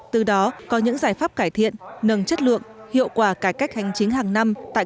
từ đó có những giải pháp cải thiện nâng chất lượng hiệu quả cải cách hành chính hàng năm tại